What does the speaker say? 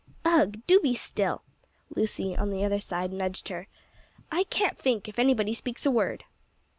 "Ugh! do be still." Lucy, on the other side, nudged her. "I can't think, if anybody speaks a word."